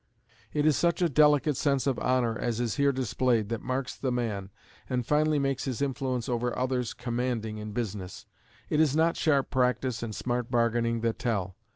It is such a delicate sense of honor as is here displayed that marks the man, and finally makes his influence over others commanding in business. It is not sharp practice and smart bargaining that tell.